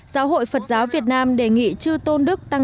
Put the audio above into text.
giáo hội phật giáo việt nam đề nghị chư tôn đức